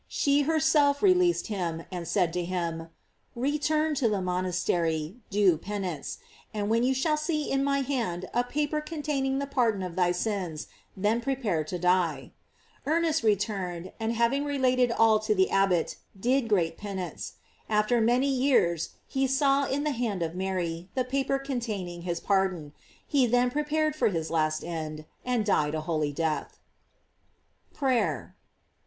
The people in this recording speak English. She herself released him, and said to him: "Return to the monastery; do pen ance; and when you shall see in my hand a pa per containing the pardon of thy sins, then pre pare to die. Ernest returned, and having relat ed all to the abbot, did great penance. After many years, he saw in the hand of Mary the paper containing his pardon; he then prepared for his last end, and died a holy death. PRAYER.